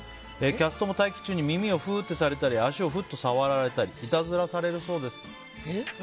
キャストも待機中に耳をフーッとされたり足を触られたりいたずらされるそうです。